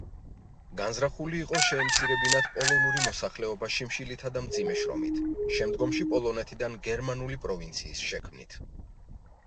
განზრახული იყო შეემცირებინათ პოლონური მოსახლეობა შიმშილითა და მძიმე შრომით, შემდგომში პოლონეთიდან გერმანული პროვინციის შექმნით.